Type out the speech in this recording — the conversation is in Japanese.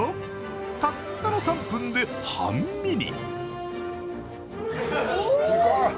たったの３分で、半身に。